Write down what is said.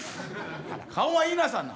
顔は言いなさんな！